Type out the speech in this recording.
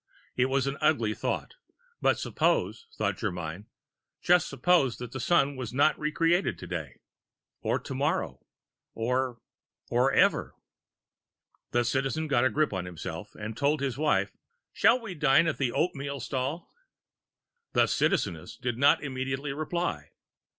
It was an ugly thought, but suppose, thought Germyn, just suppose that the Sun were not re created today? Or tomorrow. Or Or ever. The Citizen got a grip on himself and told his wife: "We shall dine at the oatmeal stall." The Citizeness did not immediately reply.